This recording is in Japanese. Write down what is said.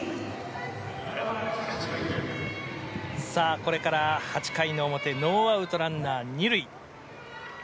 これから８回の表ノーアウト、ランナー２塁。